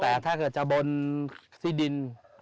แต่ถ้าเกิดจะบนที่ดิน